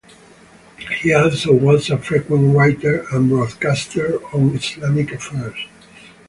He also was a frequent writer and broadcaster on Islamic affairs.